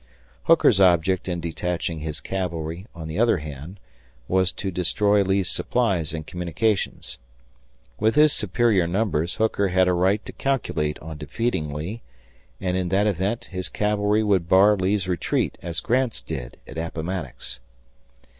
Hooker's object in detaching his cavalry, on the other hand, was to destroy Lee's supplies and communications. With his superior numbers Hooker had a right to calculate on defeating Lee, and, in that event, his cavalry would bar Lee's retreat as Grant's did at Appomattox.